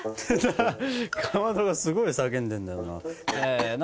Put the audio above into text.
かまどがすごい叫んでんだよな。